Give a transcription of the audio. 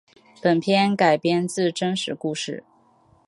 本片改编自真实故事。